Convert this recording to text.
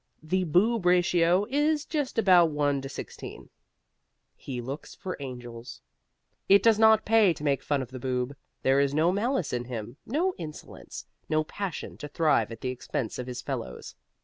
The Boob ratio is just about 1 to 16. HE LOOKS FOR ANGELS It does not pay to make fun of the Boob. There is no malice in him, no insolence, no passion to thrive at the expense of his fellows.